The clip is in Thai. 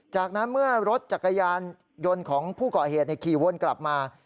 จากนั้นเมื่อรถจักรยานยนต์ของผู้ก่อเหตุขี่วนกลับมา